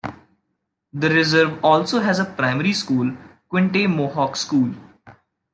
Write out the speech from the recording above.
The reserve also has a primary school, Quinte Mohawk School.